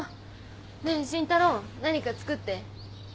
ねえ慎太郎何か作って。